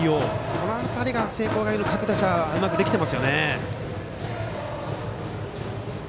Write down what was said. この辺りが聖光学院の各打者うまくできていますよね。